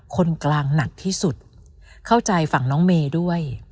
คนกลางหนักที่สุดเข้าใจฝั่งน้องเมย์ด้วย